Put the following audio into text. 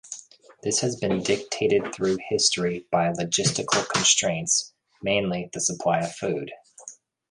This has been dictated through history by logistical constraints, mainly the supply of food.